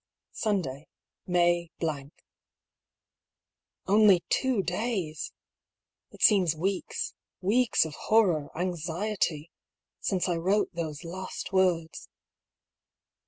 Sunday, May —. Only two days I It seems weeks — weeks of horror, anxiety — since I wrote those last words.